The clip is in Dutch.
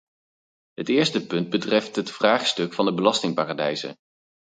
Het eerste punt betreft het vraagstuk van de belastingparadijzen.